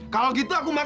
kalau gitu aku marah